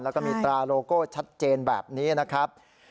แล้วก็มีตราโลโก้ชัดเจนแบบนี้นะครับ